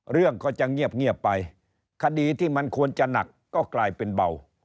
เรื่องก็จะเงียบไปคดีที่มันควรจะหนักก็กลายเป็นเบา